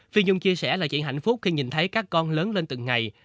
phi nhung chia sẻ là chuyện hạnh phúc khi nhìn thấy các con lớn lên từng ngày